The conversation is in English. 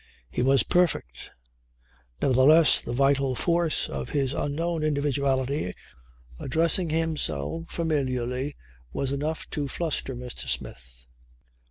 He was perfect. Nevertheless the vital force of his unknown individuality addressing him so familiarly was enough to fluster Mr. Smith.